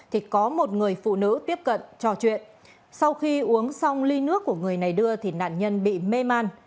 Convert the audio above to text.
thì có một người phụ nữ tiếp cận trò chuyện sau khi uống xong ly nước của người này đưa thì nạn nhân bị mê man